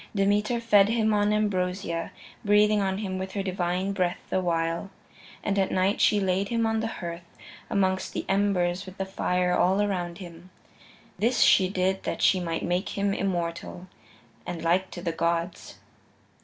Demeter fed him on ambrosia, breathing on him with her divine breath the while. And at night she laid him on the hearth, amongst the embers, with the fire all around him. This she did that she might make him immortal, and like to the gods.